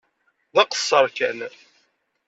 D aqeṣṣeṛ kan.